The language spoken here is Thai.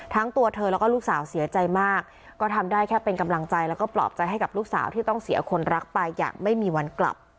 ตัวเธอแล้วก็ลูกสาวเสียใจมากก็ทำได้แค่เป็นกำลังใจแล้วก็ปลอบใจให้กับลูกสาวที่ต้องเสียคนรักไปอย่างไม่มีวันกลับ